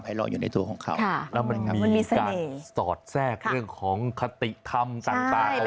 ไพลล้อคอยู่ในตัวของเขาวิสาเสกเรื่องของคติคำสมัยไว้นั้น